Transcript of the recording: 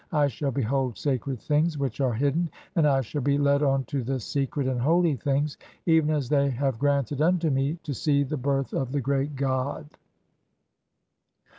"I shall behold sacred things which are hidden, and I shall be "led on to the secret and holy things, even as they have granted "unto me (32) to see the birth of the Great God.